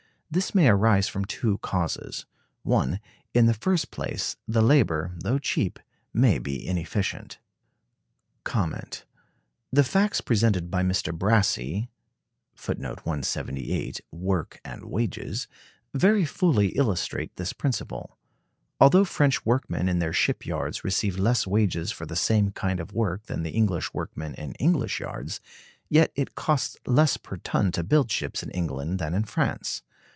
This may arise from two causes. (1.) In the first place, the labor, though cheap, may be inefficient. The facts presented by Mr. Brassey(178) very fully illustrate this principle. Although French workmen in their ship yards receive less wages for the same kind of work than the English workmen in English yards, yet it costs less per ton to build ships in England than in France.